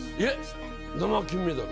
生金メダル。